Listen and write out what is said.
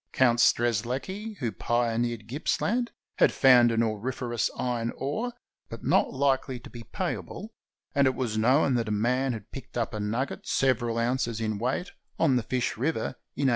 Count Strezlecki, who pioneered Gippsland, had found an auriferous iron ore, but not likely to be payable, and it was known that a man had picked up a nugget several ounces in weight on the Fish River in 1830.